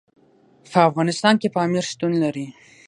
په افغانستان کې پامیر شتون لري.